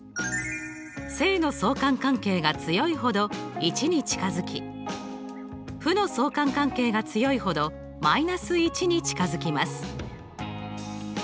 正の相関関係が強いほど１に近づき負の相関関係が強いほど−１に近づきます。